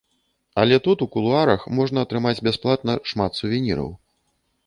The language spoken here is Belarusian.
Але тут у кулуарах можна атрымаць бясплатна шмат сувеніраў.